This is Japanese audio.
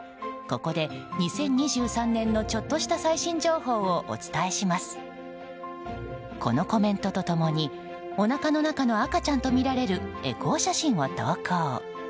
このコメントと共におなかの中の赤ちゃんとみられるエコー写真を投稿。